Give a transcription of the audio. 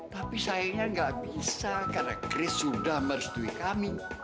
tapi sayangnya enggak bisa karena kris sudah ambil duit kami